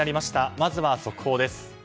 まずは速報です。